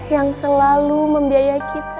yang selalu membiaya kita